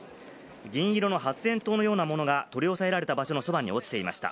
銀色の発煙筒のようなものが取り押さえられた場所のそばに落ちていました。